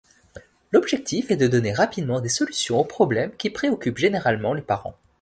L'objectif est de donner rapidement des solutions aux problèmes qui préoccupent généralement les parents.